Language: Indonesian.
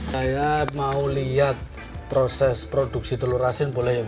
saya mau lihat proses produksi telur asin boleh ya